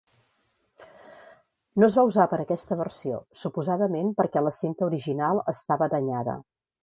No es va usar per aquesta versió, suposadament perquè la cinta original estava danyada.